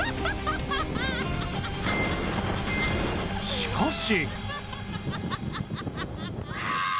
しかし。